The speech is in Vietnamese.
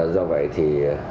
do vậy thì